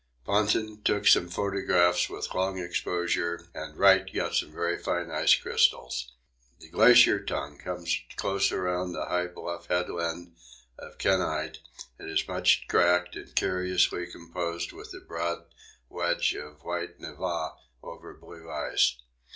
Ponting took some photographs with long exposure and Wright got some very fine ice crystals. The Glacier Tongue comes close around a high bluff headland of kenyte; it is much cracked and curiously composed of a broad wedge of white névé over blue ice.